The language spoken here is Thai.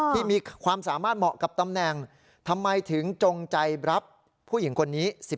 ที่มีความสามารถเหมาะกับตำแหน่งทำไมถึงจงใจรับผู้หญิงคนนี้